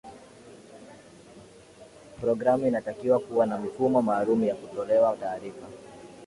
pragramu inatakiwa kuwa na mifumo maalum wa kutolea taarifa